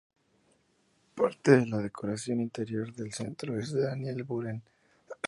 Parte de la decoración interior y del centro es de Daniel Buren.